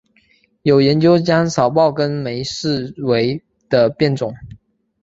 有研究将少孢根霉视为的变种。